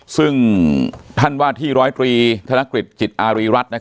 ซึ่งท่านว่าที่๑๐๓ธนกฤทธิ์จิตอารีรัฐ